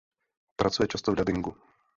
Pracuje často v dabingu.